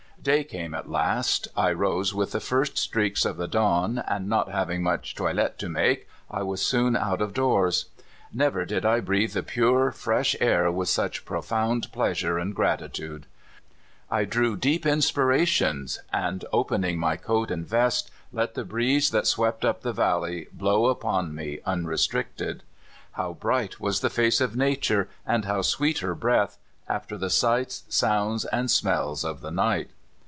Day came at last. I rose with the first streaks of tlie dawn, and, not having much toilet to make, I was soon out of doors. Never did I breathe the pure, fresh air with such profound pleasure and gratitude. I drew deep inspirations, and, opening my coat and vest, let the breeze that swept up the valley blow upon me unrestricted. How bright was the face of nature, and how sweet her breath, after the sights, sounds, and smells of the night!